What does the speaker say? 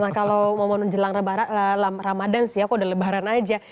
nah kalau momen jelang ramadan sih ya kok udah lebaran aja